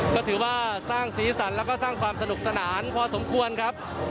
ก็ถือว่าสร้างสีสันแล้วก็สร้างความสนุกสนานพอสมควรครับ